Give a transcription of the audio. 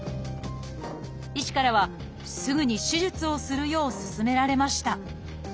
医師からはすぐに手術をするよう勧められました。